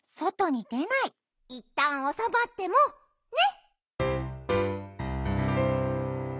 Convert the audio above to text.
いったんおさまってもね！